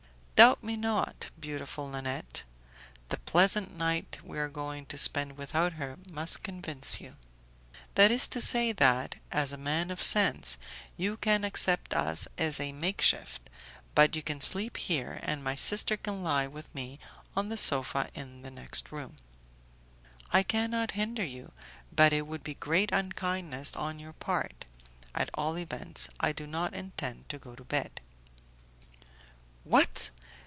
"Doubt me not, beautiful Nanette; the pleasant night we are going to spend without her must convince you." "That is to say that, as a man of sense, you can accept us as a makeshift; but you can sleep here, and my sister can lie with me on the sofa in the next room." "I cannot hinder you, but it would be great unkindness on your part. At all events, I do not intend to go to bed." "What!